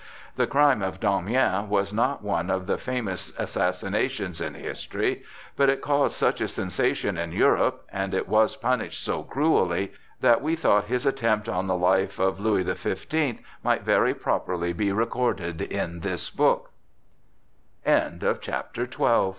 The crime of Damiens was not one of the famous assassinations in history, but it caused such a sensation in Europe, and it was punished so cruelly, that we thought his attempt on the life of Louis the Fifteenth might very properly be recorded in this book.